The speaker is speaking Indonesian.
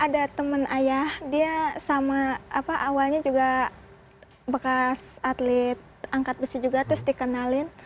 ada teman ayah dia sama apa awalnya juga bekas atlet angkat besi juga terus dikenalin